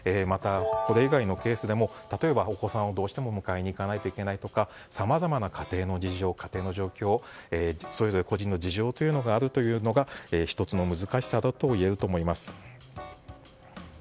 また、これ以外のケースでもお子さんを、どうしても迎えに行かなきゃいけないとかさまざまな家庭の事情、状況それぞれ個人の事情があるのが１つの難しさだといえると思います。